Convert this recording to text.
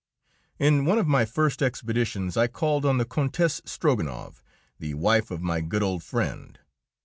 In one of my first expeditions I called on the Countess Strogonoff, the wife of my good old friend.